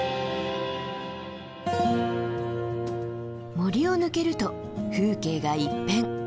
森を抜けると風景が一変。